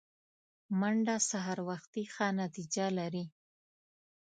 منډه سهار وختي ښه نتیجه لري